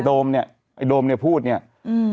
โมเนี่ยไอ้โดมเนี่ยพูดเนี้ยอืม